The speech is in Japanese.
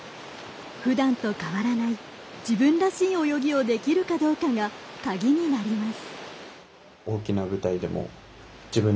ふだんと変わらない自分らしい泳ぎをできるかどうかが鍵になります。